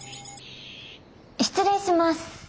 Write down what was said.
失礼します。